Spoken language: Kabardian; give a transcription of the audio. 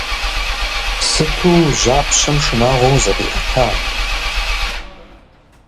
Сыту жьапщэм шынагъуэу зыкъиӏэта!